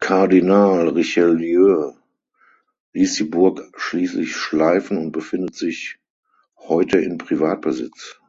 Kardinal Richelieu ließ die Burg schließlich schleifen und befindet sich heute in Privatbesitz.